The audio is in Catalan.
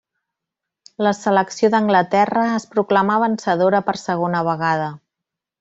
La selecció d'Anglaterra es proclamà vencedora per segona vegada.